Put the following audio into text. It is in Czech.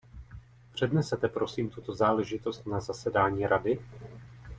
Přednesete, prosím, tuto záležitost na zasedání Rady?